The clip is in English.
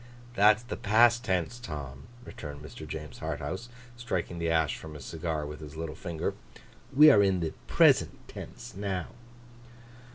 'That's the past tense, Tom,' returned Mr. James Harthouse, striking the ash from his cigar with his little finger. 'We are in the present tense, now.